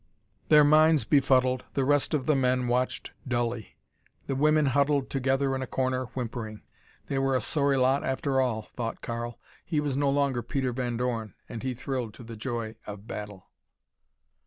Their minds befuddled, the rest of the men watched dully. The women huddled together in a corner, whimpering. They were a sorry lot after all, thought Karl. He was no longer Peter Van Dorn, and he thrilled to the joy of battle.